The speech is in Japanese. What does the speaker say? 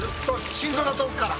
心臓の遠くから。